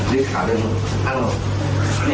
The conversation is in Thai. มานี่นะ